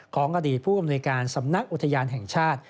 ของอดีตผู้อำนวยการสำนักอุทยานแห่งชาติ